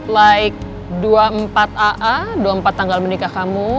like dua puluh empat aa dua puluh empat tanggal menikah kamu